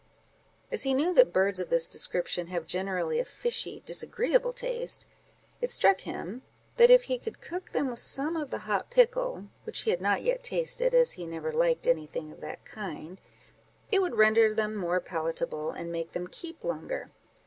As he knew that birds of this description have generally a fishy, disagreeable taste, it struck him, that if he could cook them with some of the hot pickle (which he had not yet tasted, as he never liked any thing of that kind), it would render them more palatable, and make them keep longer.